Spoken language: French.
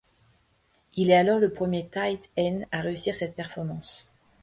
Il est alors le premier tight end à réussir cette performance.